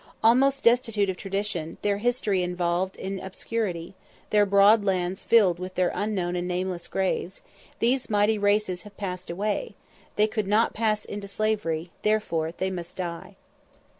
Almost destitute of tradition, their history involved in obscurity, their broad lands filled with their unknown and nameless graves, these mighty races have passed away; they could not pass into slavery, therefore they must die.